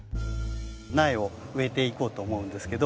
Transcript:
苗を植えていこうと思うんですけど。